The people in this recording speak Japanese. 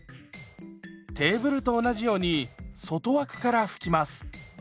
テーブルと同じように外枠から拭きます。